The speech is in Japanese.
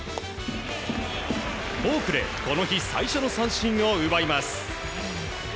フォークでこの日最初の三振を奪います。